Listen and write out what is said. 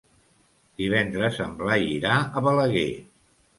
Divendres en Blai irà a Balaguer.